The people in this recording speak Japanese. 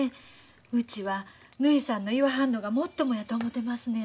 うちはぬひさんの言わはんのがもっともやと思てますのや。